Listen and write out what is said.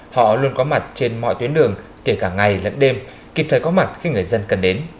họ luôn có mặt trên mọi tuyến đường kể cả ngày lẫn đêm kịp thời có mặt khi người dân cần đến